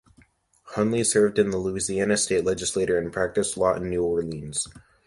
Hunley served in the Louisiana State Legislature and practiced law in New Orleans.